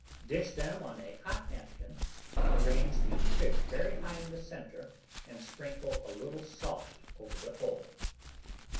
Dish them on a hot napkin, arrange the fish very high in the centre, and sprinkle a little salt over the whole.